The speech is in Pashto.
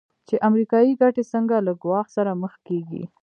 چې امریکایي ګټې څنګه له ګواښ سره مخ کېږي.